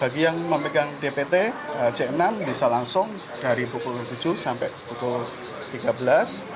bagi yang memegang dpt c enam bisa langsung dari pukul tujuh sampai pukul tiga belas